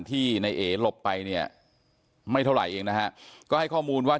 ที่ในเอหลบไปเนี่ยไม่เท่าไหร่เองนะฮะก็ให้ข้อมูลว่า